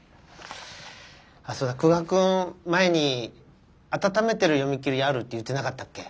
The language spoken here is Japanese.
あっそうだ久我君前に温めてる読み切りあるって言ってなかったっけ？